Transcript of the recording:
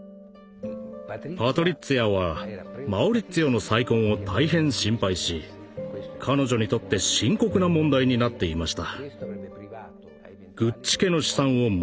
パトリッツィアはマウリッツィオの再婚を大変心配し彼女にとって深刻な問題になっていました。